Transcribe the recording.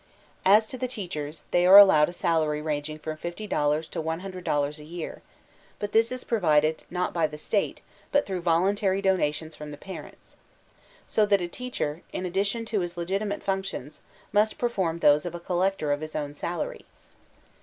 As to the teachers, they are allowed a salary ranging Fkancisco Feuer 305 from $5000 to $100.00 a year; bat this is provided, not by the State, but through voluntary donations from the parents. So that a teacher, m addition to his legitimate functions, must perform those of collector of his own salary.